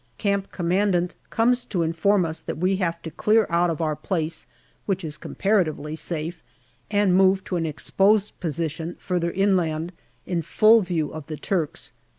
Camp Commandant comes to inform us that we have to clear out of our place, which is comparatively safe, and move to an exposed position further inland, in full view of the Turks.